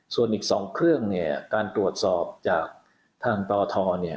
ส่วนอีก๒เครื่องเนี่ยการตรวจสอบจากทางตทเนี่ย